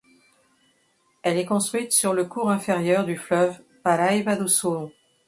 Elle est construite sur le cours inférieur du fleuve Paraíba do Sul.